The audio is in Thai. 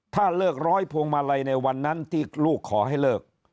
ถ้าเลิกร้อยพวงมาลัยในวันนั้นที่ลูกขอให้เลิก